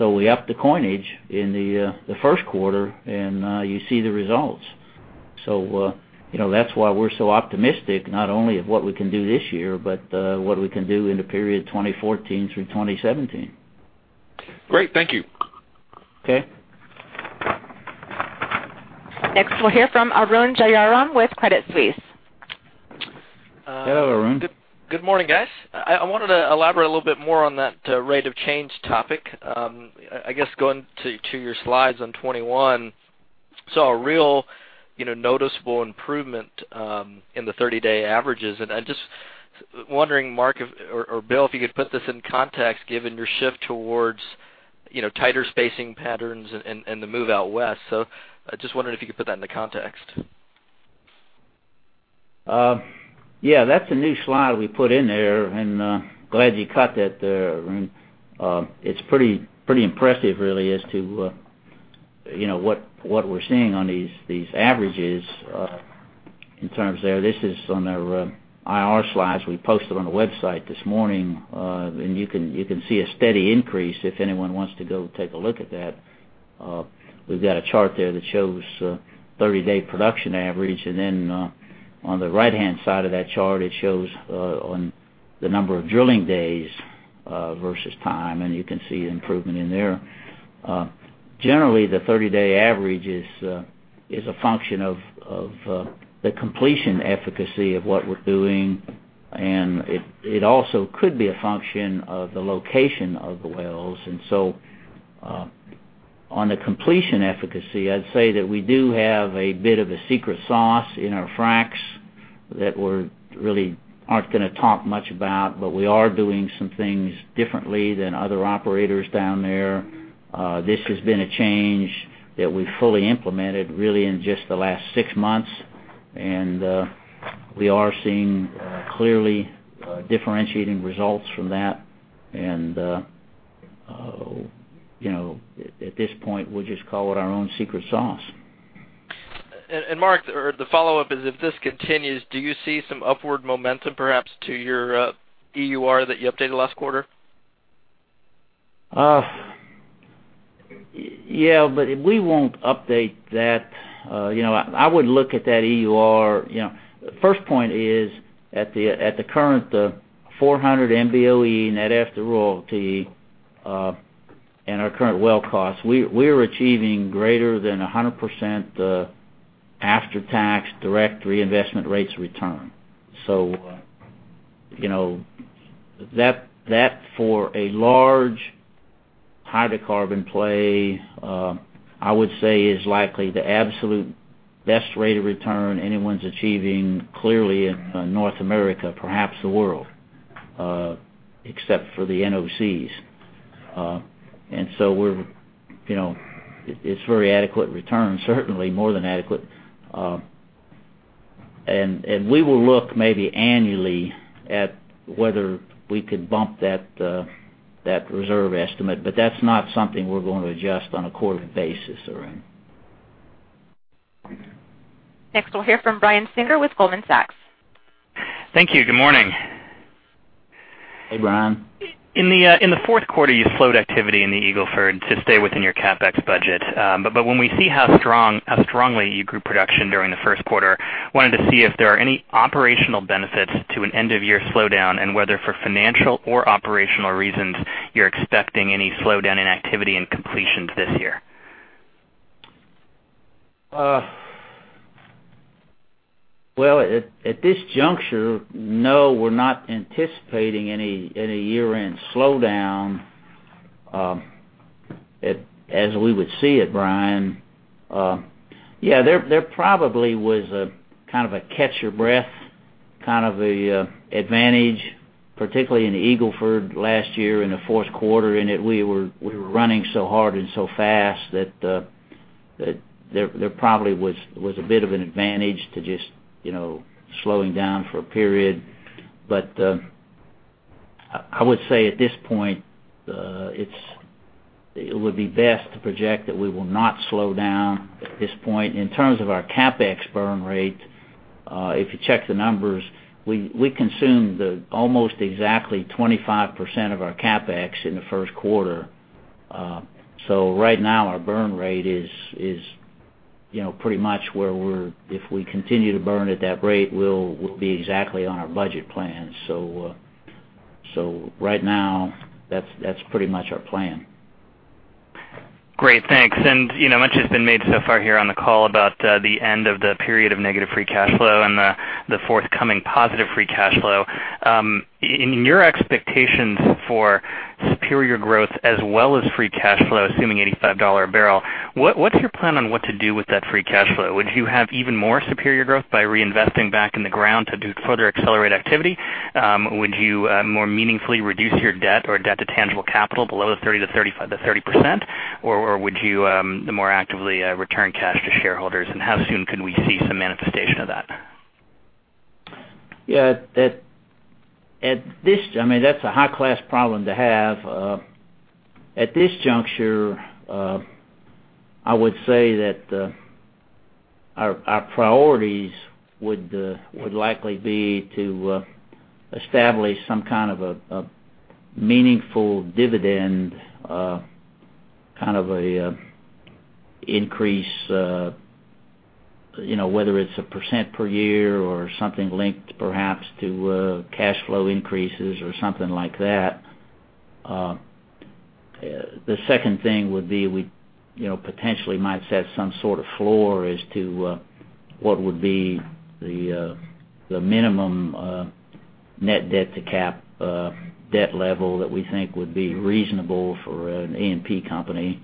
We upped the coinage in the first quarter, and you see the results. That's why we're so optimistic, not only of what we can do this year, but what we can do in the period 2014 through 2017. Great. Thank you. Okay. Next, we'll hear from Arun Jayaram with Credit Suisse. Hello, Arun. Good morning, guys. I wanted to elaborate a little bit more on that rate of change topic. I guess going to your slides on 21, saw a real noticeable improvement in the 30-day averages. I'm just wondering, Mark or Bill, if you could put this in context, given your shift towards tighter spacing patterns and the move out west. I just wondered if you could put that into context. Yeah, that's a new slide we put in there, and glad you caught that there, Arun. It's pretty impressive, really, as to what we're seeing on these averages in terms there. This is on our IR slides we posted on the website this morning. You can see a steady increase if anyone wants to go take a look at that. We've got a chart there that shows 30-day production average, and then on the right-hand side of that chart, it shows on the number of drilling days versus time, and you can see improvement in there. Generally, the 30-day average is a function of the completion efficacy of what we're doing, and it also could be a function of the location of the wells. On the completion efficacy, I'd say that we do have a bit of a secret sauce in our fracs that we're really aren't going to talk much about, but we are doing some things differently than other operators down there. This has been a change that we fully implemented really in just the last six months, and we are seeing clearly differentiating results from that. At this point, we'll just call it our own secret sauce. Mark, the follow-up is if this continues, do you see some upward momentum perhaps to your EUR that you updated last quarter? Yeah, we won't update that. I would look at that EUR. First point is at the current 400 MBOE net after royalty and our current well cost, we're achieving greater than 100% after-tax direct reinvestment rates of return. That for a large hydrocarbon play, I would say is likely the absolute best rate of return anyone's achieving clearly in North America, perhaps the world except for the NOCs. It's very adequate return, certainly more than adequate. We will look maybe annually at whether we could bump that reserve estimate, that's not something we're going to adjust on a quarterly basis, Arun. Next, we'll hear from Brian Singer with Goldman Sachs. Thank you. Good morning. Hey, Brian. In the fourth quarter, you slowed activity in the Eagle Ford to stay within your CapEx budget. I wanted to see if there are any operational benefits to an end-of-year slowdown, and whether for financial or operational reasons you're expecting any slowdown in activity and completions this year. Well, at this juncture, no, we're not anticipating any year-end slowdown as we would see it, Brian. Yeah, there probably was a kind of a catch-your-breath kind of the advantage, particularly in the Eagle Ford last year in the fourth quarter, in that we were running so hard and so fast that there probably was a bit of an advantage to just slowing down for a period. I would say at this point, it would be best to project that we will not slow down at this point. In terms of our CapEx burn rate, if you check the numbers, we consumed almost exactly 25% of our CapEx in the first quarter. Right now, our burn rate is pretty much where if we continue to burn at that rate, we'll be exactly on our budget plan. Right now, that's pretty much our plan. Great. Thanks. Much has been made so far here on the call about the end of the period of negative free cash flow and the forthcoming positive free cash flow. In your expectations for superior growth as well as free cash flow, assuming $85 a barrel, what's your plan on what to do with that free cash flow? Would you have even more superior growth by reinvesting back in the ground to further accelerate activity? Would you more meaningfully reduce your debt or debt to tangible capital below the 30%? Would you more actively return cash to shareholders? How soon can we see some manifestation of that? Yeah. That's a high-class problem to have. At this juncture, I would say that our priorities would likely be to establish some kind of a meaningful dividend increase, whether it's a % per year or something linked perhaps to cash flow increases or something like that. The second thing would be we potentially might set some sort of floor as to what would be the minimum net debt to cap, debt level that we think would be reasonable for an E&P company.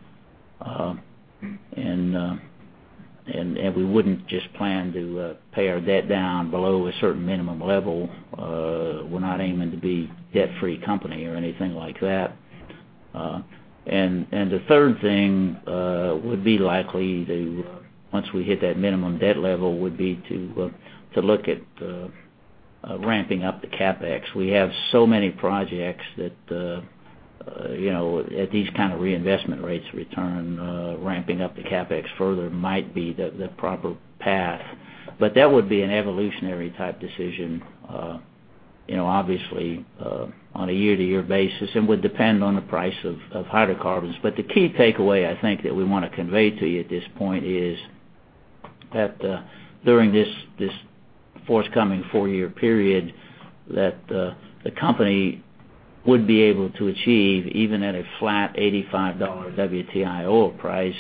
We wouldn't just plan to pay our debt down below a certain minimum level. We're not aiming to be debt-free company or anything like that. The third thing would be likely to, once we hit that minimum debt level, would be to look at ramping up the CapEx. We have so many projects that at these kind of reinvestment rates return, ramping up the CapEx further might be the proper path. That would be an evolutionary type decision, obviously, on a year-to-year basis and would depend on the price of hydrocarbons. The key takeaway I think that we want to convey to you at this point is that during this forthcoming four-year period, that the company would be able to achieve, even at a flat $85 WTI oil price,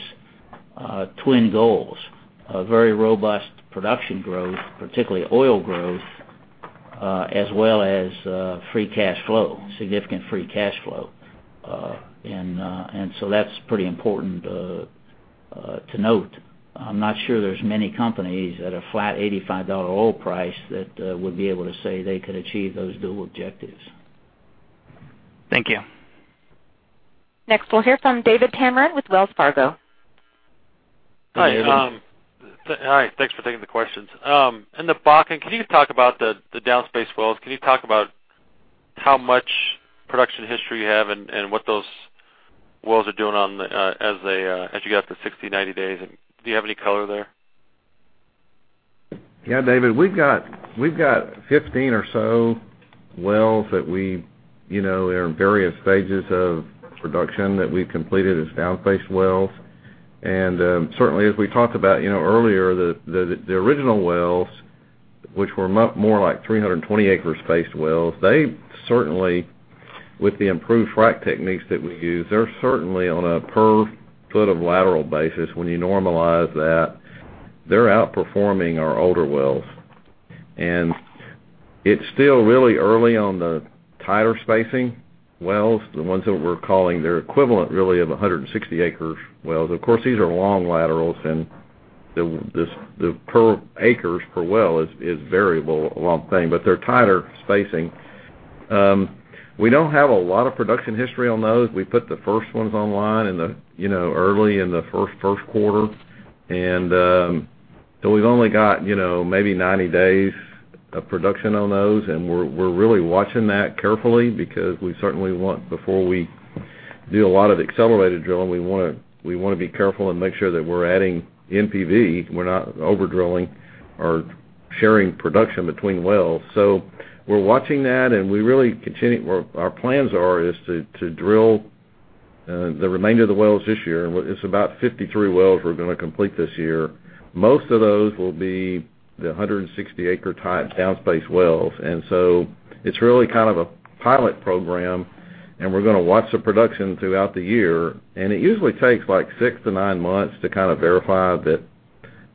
twin goals. A very robust production growth, particularly oil growth, as well as free cash flow, significant free cash flow. That's pretty important to note. I'm not sure there's many companies at a flat $85 oil price that would be able to say they could achieve those dual objectives. Thank you. Next, we'll hear from David Tameron with Wells Fargo. Hi. Hey, David. Hi. Thanks for taking the questions. In the Bakken, can you talk about the downspace wells? Can you talk about how much production history you have and what those wells are doing as you get out to 60, 90 days? Do you have any color there? Yeah, David, we've got 15 or so wells that are in various stages of production that we've completed as downspace wells. Certainly, as we talked about earlier, the original wells, which were more like 320 acre spaced wells, they certainly, with the improved frack techniques that we use, they're certainly on a per foot of lateral basis, when you normalize that, they're outperforming our older wells. It's still really early on the tighter spacing wells, the ones that we're calling, they're equivalent really of 160 acre wells. Of course, these are long laterals, and the per acres per well is variable along the thing, but they're tighter spacing. We don't have a lot of production history on those. We put the first ones online early in the first quarter, we've only got maybe 90 days of production on those, and we're really watching that carefully because we certainly want, before we do a lot of accelerated drilling, we want to be careful and make sure that we're adding NPV. We're not over-drilling or sharing production between wells. We're watching that, our plans are is to drill the remainder of the wells this year. It's about 53 wells we're going to complete this year. Most of those will be the 160 acre type downspace wells. It's really kind of a pilot program, we're going to watch the production throughout the year. It usually takes six to nine months to verify that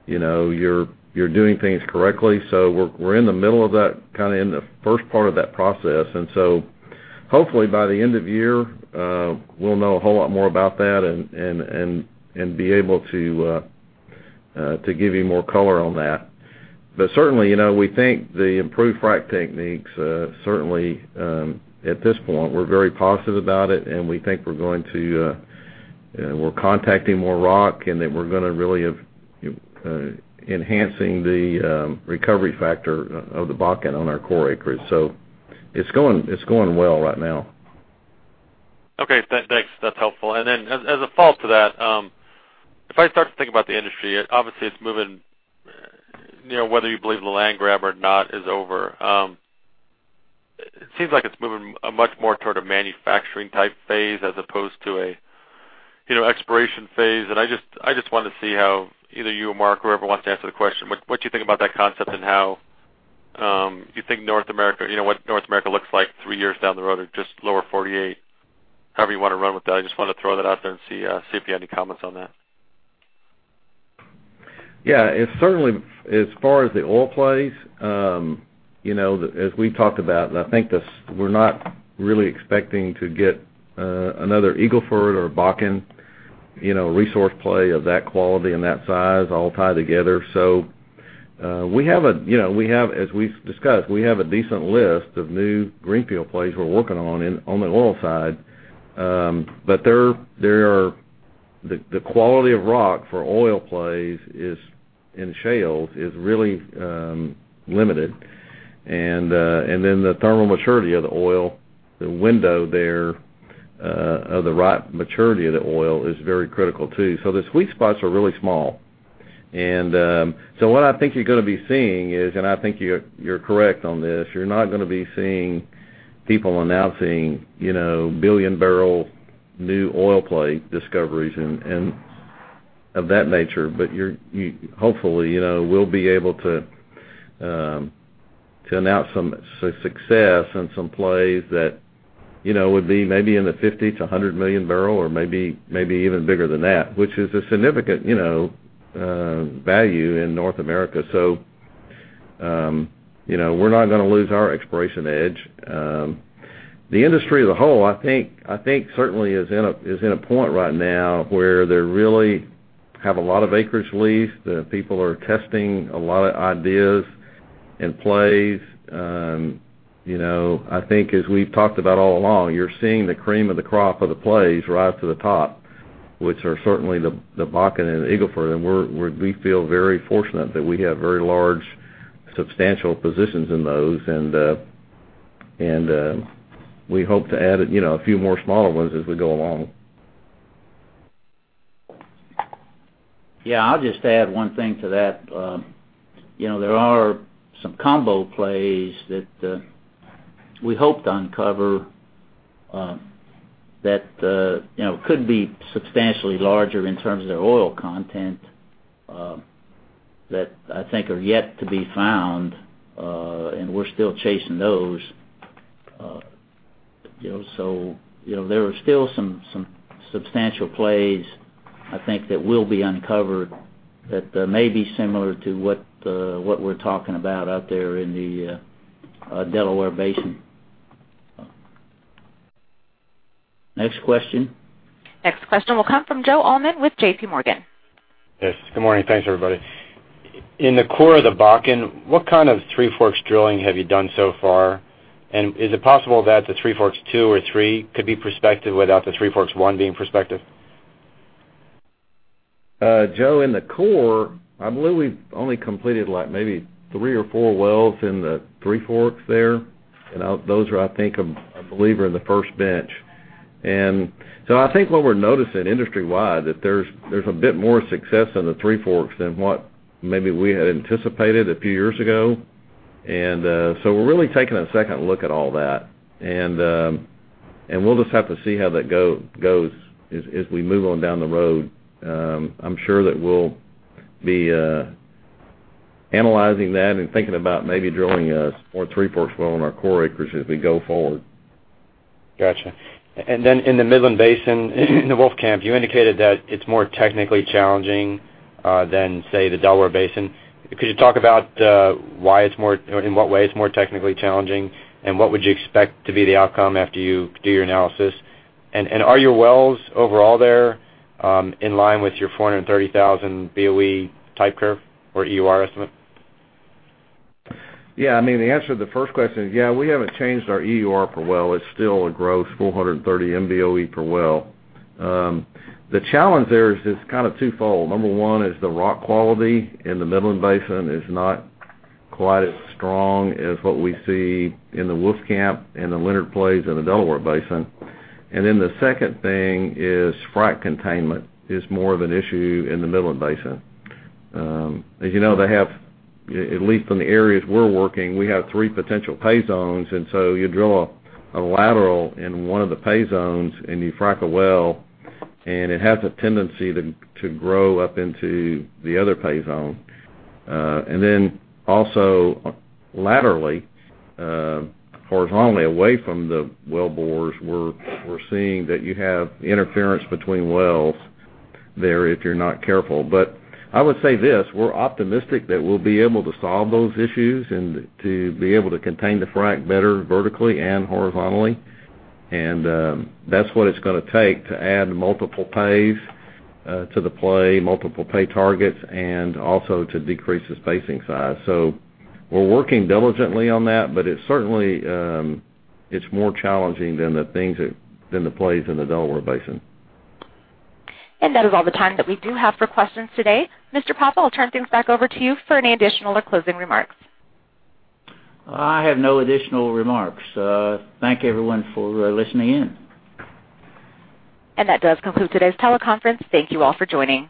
you're doing things correctly. We're in the middle of that, in the first part of that process. And so Hopefully by the end of year, we'll know a whole lot more about that and be able to give you more color on that. Certainly, we think the improved frac techniques, certainly, at this point, we're very positive about it, and we think we're contacting more rock, and that we're going to really enhancing the recovery factor of the Bakken on our core acreage. It's going well right now. Okay. Thanks. That's helpful. Then as a follow-up to that, if I start to think about the industry, obviously it's moving, whether you believe the land grab or not is over. It seems like it's moving a much more toward a manufacturing type phase as opposed to a exploration phase. I just wanted to see how either you or Mark, whoever wants to answer the question, what do you think about that concept and how you think what North America looks like three years down the road or just lower 48? However you want to run with that. I just wanted to throw that out there and see if you had any comments on that. Yeah. Certainly, as far as the oil plays, as we talked about, I think we're not really expecting to get another Eagle Ford or Bakken resource play of that quality and that size all tied together. As we've discussed, we have a decent list of new greenfield plays we're working on the oil side. The quality of rock for oil plays in shales is really limited. Then the thermal maturity of the oil, the window there of the right maturity of the oil is very critical too. The sweet spots are really small. What I think you're going to be seeing is, I think you're correct on this, you're not going to be seeing people announcing billion barrel new oil play discoveries and of that nature. Hopefully, we'll be able to announce some success on some plays that would be maybe in the 50-100 million barrel or maybe even bigger than that, which is a significant value in North America. We're not going to lose our exploration edge. The industry as a whole, I think certainly is in a point right now where they really have a lot of acreage leased. The people are testing a lot of ideas and plays. I think as we've talked about all along, you're seeing the cream of the crop of the plays rise to the top, which are certainly the Bakken and Eagle Ford, we feel very fortunate that we have very large, substantial positions in those, we hope to add a few more smaller ones as we go along. Yeah, I'll just add one thing to that. There are some combo plays that we hoped to uncover that could be substantially larger in terms of their oil content that I think are yet to be found, and we're still chasing those. There are still some substantial plays, I think, that will be uncovered that may be similar to what we're talking about out there in the Delaware Basin. Next question? Next question will come from Joe Allman with JPMorgan. Yes. Good morning. Thanks, everybody. In the core of the Bakken, what kind of Three Forks drilling have you done so far? Is it possible that the Three Forks 2 or 3 could be prospective without the Three Forks 1 being prospective? Joe, in the core, I believe we've only completed maybe three or four wells in the Three Forks there. Those are, I think, I believe, are in the first bench. I think what we're noticing industry-wide, that there's a bit more success in the Three Forks than what maybe we had anticipated a few years ago. We're really taking a second look at all that, and we'll just have to see how that goes as we move on down the road. I'm sure that we'll be analyzing that and thinking about maybe drilling more Three Forks well in our core acres as we go forward. Got you. Then in the Midland Basin, in the Wolfcamp, you indicated that it's more technically challenging than, say, the Delaware Basin. Could you talk about in what way it's more technically challenging, and what would you expect to be the outcome after you do your analysis? Are your wells overall there in line with your 430,000 BOE type curve or EUR estimate? Yeah. The answer to the first question is, yeah, we haven't changed our EUR per well. It's still a gross 430 MBOE per well. The challenge there is kind of twofold. Number 1 is the rock quality in the Midland Basin is not quite as strong as what we see in the Wolfcamp and the Leonard plays in the Delaware Basin. The second thing is frac containment is more of an issue in the Midland Basin. As you know, at least in the areas we're working, we have three potential pay zones, so you drill a lateral in one of the pay zones, and you frac a well, and it has a tendency to grow up into the other pay zone. Also laterally, horizontally away from the well bores, we're seeing that you have interference between wells there if you're not careful. I would say this, we're optimistic that we'll be able to solve those issues and to be able to contain the frac better vertically and horizontally. That's what it's going to take to add multiple pays to the play, multiple pay targets, and also to decrease the spacing size. We're working diligently on that, but it's more challenging than the plays in the Delaware Basin. That is all the time that we do have for questions today. Mr. Papa, I'll turn things back over to you for any additional or closing remarks. I have no additional remarks. Thank you everyone for listening in. That does conclude today's teleconference. Thank you all for joining.